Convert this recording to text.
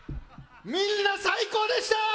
みんな最高でした！